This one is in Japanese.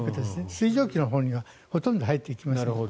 水蒸気のほうにはほとんど入っていきません。